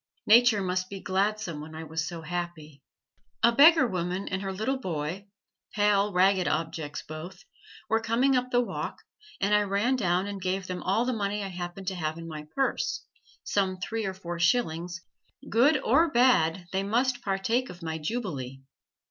Nature must be gladsome when I was so happy. A beggar woman and her little boy, pale, ragged objects both, were coming up the walk, and I ran down and gave them all the money I happened to have in my purse some three or four shillings: good or bad they must partake of my jubilee.